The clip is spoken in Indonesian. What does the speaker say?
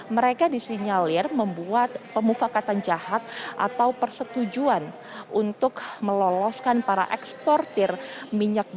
mereka disinyalir membuat pemufakatan jahat atau persetujuan untuk meloloskan para eksportir minyak goreng